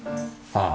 ああ。